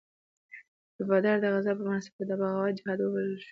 د بدر د غزا په مناسبت دا بغاوت جهاد وبلل شو.